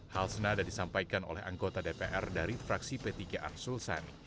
hal senada disampaikan oleh anggota dpr dari fraksi p tiga arsul sani